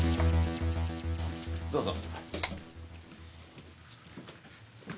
どうぞ。